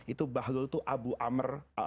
itu bahlul itu abu amr